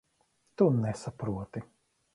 Tu nesaproti.